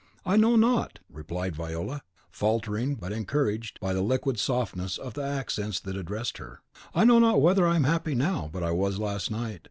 "I know not," replied Viola, falteringly, but encouraged by the liquid softness of the accents that addressed her, "I know not whether I am happy now, but I was last night.